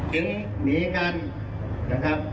ถึงหนีกันนะครับ